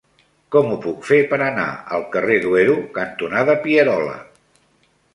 Com ho puc fer per anar al carrer Duero cantonada Pierola?